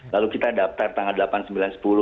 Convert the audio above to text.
lalu kita daftar tanggal delapan